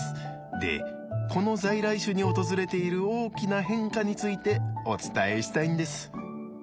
でこの在来種に訪れている大きな変化についてお伝えしたいんです。